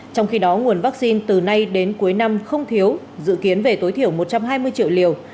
trong khi đó nguồn vaccine từ nay đến cuối năm không thiếu dự kiến về tối thiểu một trăm hai mươi triệu liều